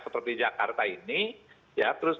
seperti jakarta ini ya terus